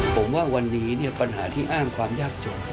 ผมว่าวันนี้ปัญหาที่อ้างความยากจน